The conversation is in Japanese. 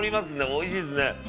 おいしいですね。